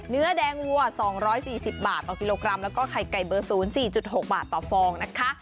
เนื้อแดงวัว๒๔๐บาทต่อกิโลกรัมแล้วก็ไข่ไก่เบอร์๐๔๖บาทต่อฟองนะคะ